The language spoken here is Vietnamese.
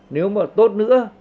nếu mà tốt nữa